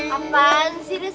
apaan sih neska